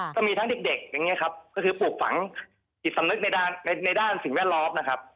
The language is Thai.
ก็มีทั้งเด็กอย่างนี้ครับก็คือปลูกฝังจิตสำนึกในด้านสิ่งแวดล้อมนะครับ